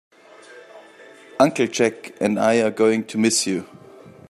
Uncle Jack and I are going to miss you.